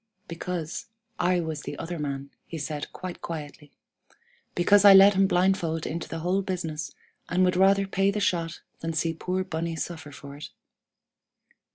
"'Because I was the other man,' he said quite quietly; 'because I led him blindfold into the whole business, and would rather pay the shot than see poor Bunny suffer for it.'